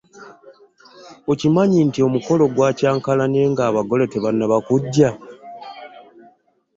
Okimanyi nti omukolo gwa kyankalanye nga abagole tebanaba kugya.